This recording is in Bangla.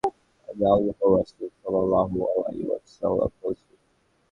আমি আল্লাহর রাসূল সাল্লাল্লাহু আলাইহি ওয়াসাল্লাম বলছি।